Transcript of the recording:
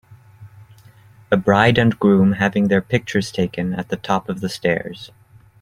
A bride and groom having their pictures taken at the top of the stairs